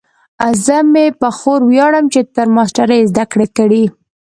زه مې په خور ویاړم چې تر ماسټرۍ یې زده کړې کړي